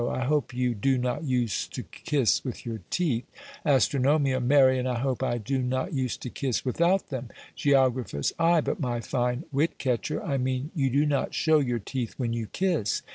I hope you do not use to kisse with your teeth. Ast. Marry, and I hope I do not use to kisse without them. Geog. Ay, but my fine wit catcher, I mean you do not show your teeth when you kisse."